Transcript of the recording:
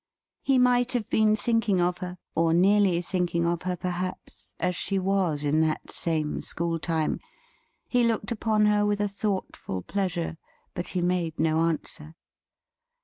He might have been thinking of her: or nearly thinking of her, perhaps: as she was in that same school time. He looked upon her with a thoughtful pleasure, but he made no answer.